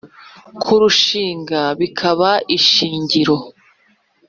Kurushinga bikaba ishingiro